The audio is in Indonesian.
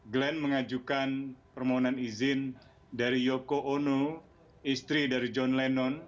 glenn mengajukan permohonan izin dari yoko ono istri dari john lenon